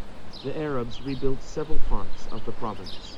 The Arabs rebuilt several parts of the province.